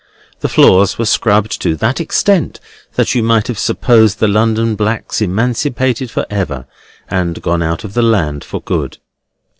The floors were scrubbed to that extent, that you might have supposed the London blacks emancipated for ever, and gone out of the land for good.